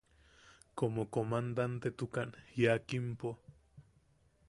Como comandantetukan jiakimpo.